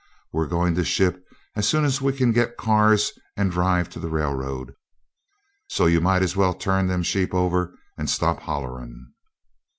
"We're goin' to ship as soon as we can get cars and drive to the railroad, so you might as well turn them sheep over and stop hollerin'."